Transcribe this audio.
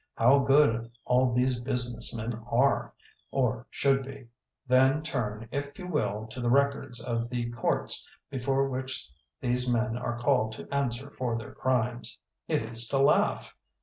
How good all these business men are, or should be. Then turn, if you will, to the records of the courts before which these men are called to answer for their crimes. It is to laugh.